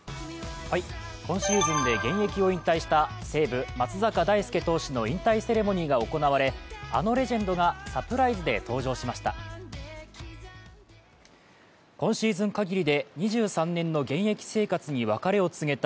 今シーズンで現役を引退した西武・松坂大輔投手の引退セレモニーが行われ、あのレジェンドがサプライズで登場しました。